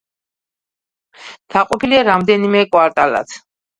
დაყოფილია რამდენიმე კვარტალად.